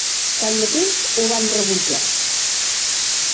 Tanmateix, ho van rebutjar.